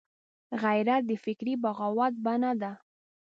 غیرت د فکري بغاوت بڼه ده